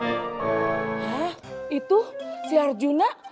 hah itu si arjuna